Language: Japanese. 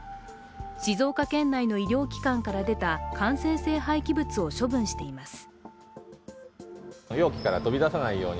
静岡県内の医療機関から出た感染性廃棄物を処分しています。